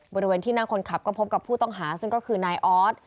บริเวณที่นั่งคนขับก็พบกับผู้ต้องหาซึ่งก็คือนายออส